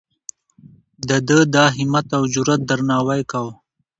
د ده د همت او جرئت درناوی کوو.